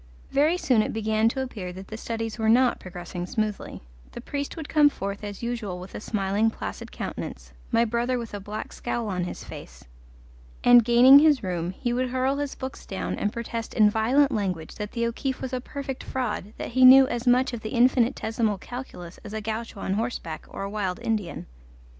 Very soon it began to appear that the studies were not progressing smoothly; the priest would come forth as usual with a smiling, placid countenance, my brother with a black scowl on his face, and gaining his room, he would hurl his books down and protest in violent language that the O'Keefe was a perfect fraud, that he knew as much of the infinitesimal calculus as a gaucho on horseback or a wild Indian.